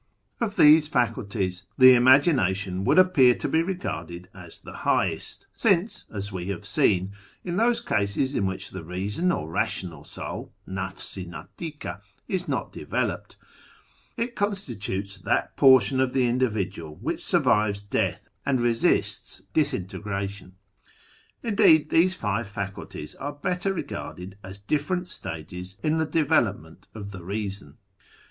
Of these faculties the Imagination would appear to be regarded as the highest, since, as we have seen, in those cases in which the Eeason or Eatioual Soul {Nafs i ndtika) is not developed, it constitutes that portion of the individual which survives death and resists disintegration. Indeed these five faculties are better regarded as different stages in the development of the Eeason.